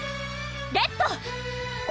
レッド！